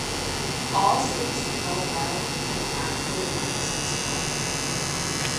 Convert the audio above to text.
All seems to go well until after the Christmas holiday.